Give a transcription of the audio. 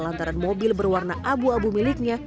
lantaran mobil berwarna abu abu miliknya